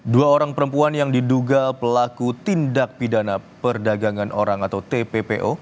dua orang perempuan yang diduga pelaku tindak pidana perdagangan orang atau tppo